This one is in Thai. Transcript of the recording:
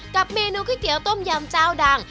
กับเมนูก๋วยเตี๋ยต้มยำเจ้าดัง